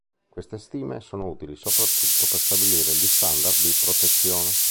Queste stime sono utili soprattutto per stabilire gli standard di protezione.